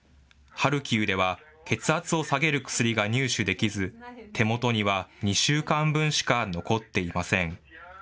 ハルキウでは血圧を下げる薬が入手できず、手元には２週間分しか残っていません。